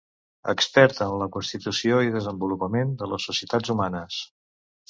Expert en la constitució i desenvolupament de les societats humanes.